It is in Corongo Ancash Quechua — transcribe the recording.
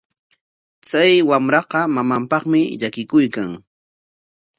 Chay wamraqa mamanpaqmi llakikuykan.